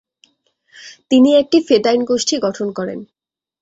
তিনি একটি ফেদাইন গোষ্ঠী গঠন করেন।